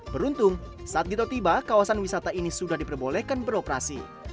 beruntung saat gito tiba kawasan wisata ini sudah diperbolehkan beroperasi